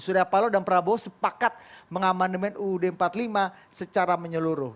surya palo dan prabowo sepakat mengamandemen uud empat puluh lima secara menyeluruh